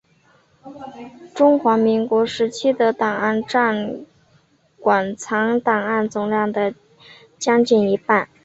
中华民国时期的档案占馆藏档案总量的将近一半。